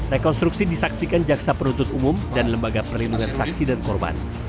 rekonstruksi disaksikan jaksa penuntut umum dan lembaga perlindungan saksi dan korban